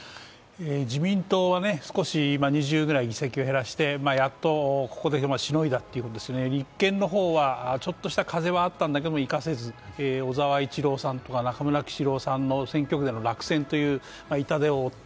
自民党は少し２０ぐらい議席を減らしてやっとここでしのいだというんですね、立憲の方はちょっとした風はあったんだけど生かせず小沢一郎さんとか中村喜四郎さんの選挙区での落選という痛手を負った。